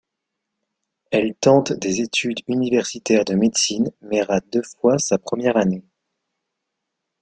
Elle tente des études universitaires de médecine, mais rate deux fois sa première année.